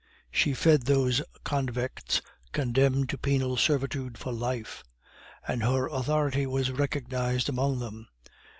She fed those convicts condemned to penal servitude for life, and her authority was recognized among them.